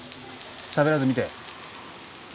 しゃべらず見て。